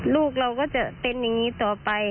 ลูกเราก็จะเป็นอย่างนี้ต่อไป